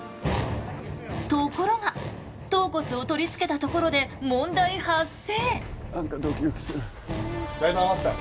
ところが頭骨を取り付けたところで問題発生！